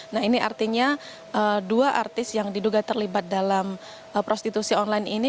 nah ini artinya dua artis yang diduga terlibat dalam prostitusi online ini